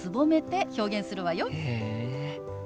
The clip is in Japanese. へえ。